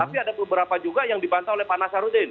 tapi ada beberapa juga yang dibantau oleh pak nasarudin